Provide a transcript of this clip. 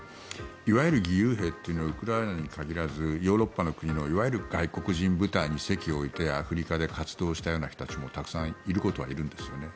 いわゆる義勇兵というのはウクライナに限らずヨーロッパの国のいわゆる外国人部隊に籍を置いてアフリカで活動したような人たちもたくさんいることはいるんですよね。